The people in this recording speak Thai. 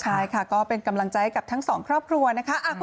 ใช่ค่ะก็เป็นกำลังใจกับทั้งสองครอบครัวนะคะ